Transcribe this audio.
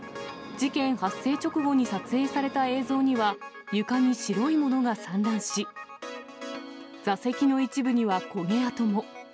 事件発生直後に撮影された映像には、床に白いものが散乱し、座席の一部には焦げ跡も。